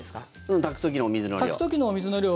炊く時のお水の量。